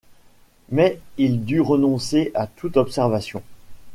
Mais il dut renoncer à toute observation.